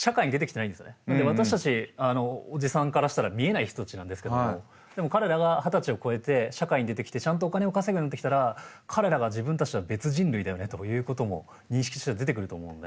なので私たちおじさんからしたら見えない人たちなんですけどもでも彼らが二十歳を超えて社会に出てきてちゃんとお金を稼ぐようになってきたら彼らが自分たちとは別人類だよねということも認識としては出てくると思うんで。